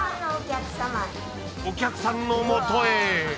［お客さんの元へ］